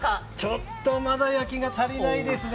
ちょっとまだ焼きが足りないですね